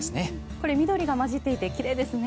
これ緑が交じっていて奇麗ですね。